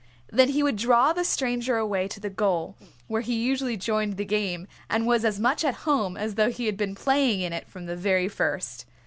Then he would draw the stranger away to the goal, where he usually joined the game and was as much at home as though he had been playing in it from the very first.